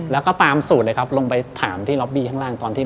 แล้วก็ตามสูตรเลยครับลงไปถามที่ล็อบบี้ข้างล่างตอนที่